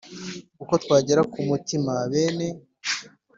Uko twagera ku mutima bene